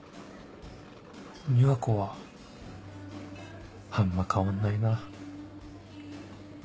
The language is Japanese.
美和子はあんま変わんないな